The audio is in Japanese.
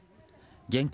現金